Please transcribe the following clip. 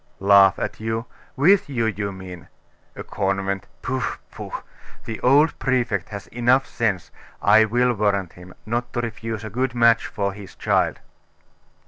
'Laugh at you? with you, you mean. A convent? Pooh, pooh! The old Prefect has enough sense, I will warrant him, not to refuse a good match for his child.